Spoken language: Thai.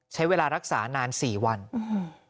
ใช้เวลารักษานานสี่วันอืม